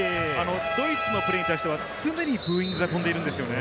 ドイツのプレーに対してはすでにブーイングが飛んでいます。